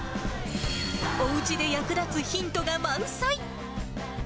おうちで役立つヒントが満載。